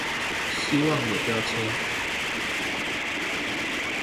希望有標籤